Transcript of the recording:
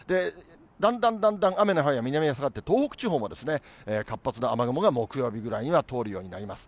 だんだんだんだん雨の範囲は南へ下がって、東北地方も活発な雨雲が、木曜日ぐらいには通るようになります。